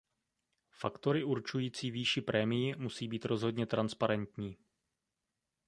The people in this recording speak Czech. Faktory určující výši prémií musí být rozhodně transparentní.